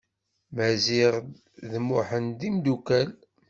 Maziɣ d Muḥend d imdukkal.